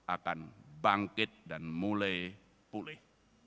akan bangkit dan mulai pulih